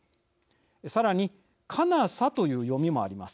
さらに「カナサ」という読みもあります。